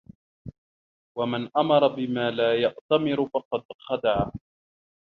وَمَنْ أَمَرَ بِمَا لَا يَأْتَمِرُ فَقَدْ خَدَعَ